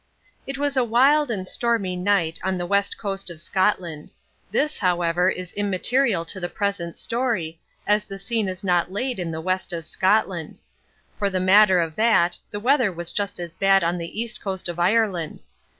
_ It was a wild and stormy night on the West Coast of Scotland. This, however, is immaterial to the present story, as the scene is not laid in the West of Scotland. For the matter of that the weather was just as bad on the East Coast of Ireland.